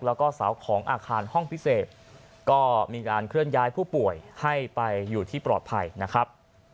แล้วก็เสาของอาคารห้องพิเศษก็มีการเคลื่อนย้ายผู้ป่วยให้ไปอยู่ที่ปลอดภัยนะครับ